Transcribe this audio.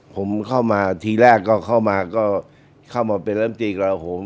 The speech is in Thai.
ผมเข้ามาทีแรกก็เข้ามาเป็นร้ำตีกระโหม